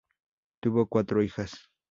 Tuvo cuatro hijas.